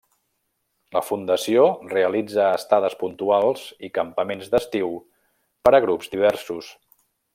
La Fundació realitza estades puntuals i campaments d'estiu per a grups diversos.